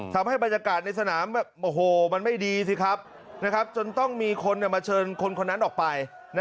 ทำให้บรรยากาศในสนามมันไม่ดีสิครับจนต้องมีคนมาเชิญคนคนนั้นออกไป